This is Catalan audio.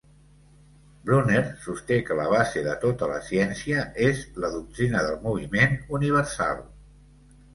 Brunner sosté que la base de tota la ciència és la doctrina del moviment universal.